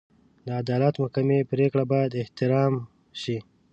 د عدالت محکمې پرېکړې باید احترام شي.